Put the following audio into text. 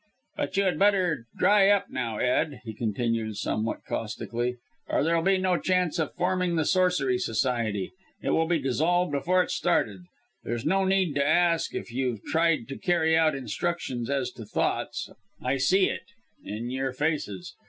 "But you had better dry up now, Ed," he continued somewhat caustically, "or there'll be no chance of forming the Sorcery Society; it will be dissolved before it's started. There's no need to ask if you've tried to carry out instructions as to thoughts, I see it in your faces.